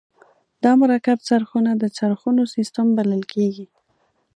دا مرکب څرخونه د څرخونو سیستم بلل کیږي.